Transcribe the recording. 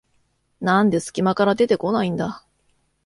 なんですき間から出てこないんだ